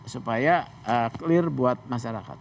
supaya clear buat masyarakat